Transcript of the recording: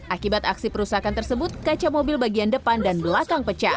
akibat aksi perusahaan tersebut kaca mobil bagian depan dan belakang pecah